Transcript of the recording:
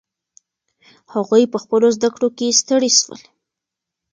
هغوی په خپلو زده کړو کې ستړي سول.